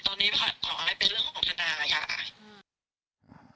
ตอนนี้ขอให้เป็นเรื่องของทนายค่ะ